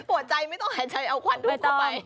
หัวใจไม่ต้องหายใจเอาควันทูบเข้าไป